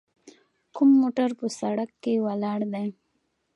کوم موټر په سړک کې ولاړ دی؟